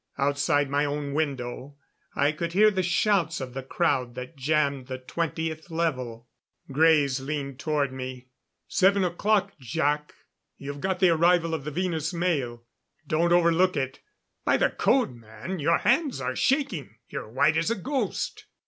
Outside my own window I could hear the shouts of the crowd that jammed the Twentieth Level. Greys leaned toward me. "Seven o'clock, Jac. You've got the arrival of the Venus mail. Don't overlook it ... By the code, man, your hands are shaking! You're white as a ghost!"